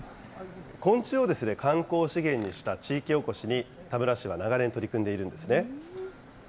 昆虫を観光資源にした地域おこしに、田村市は長年、取り組んでいるんですね。